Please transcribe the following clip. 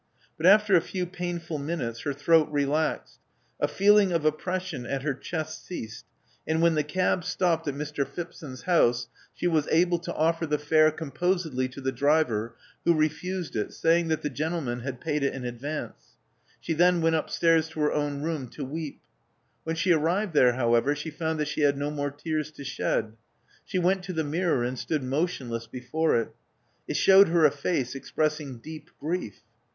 But after a few painful minutes, her throat relaxed; a feeling of oppression at her chest ceased ; and when the cab stopped at Mr. 268 Love Among the Artists Phipson's house, she was able to oflfer the fare com posedly to the driver, who refused it, saying that the gentleman had paid it in advance. She then went upstairs to her own room to weep. When she arrived there, however, she found that she had no more tears to shed. She went to the mirror, and stood motion less before it. It showed her a face expressing deep grief.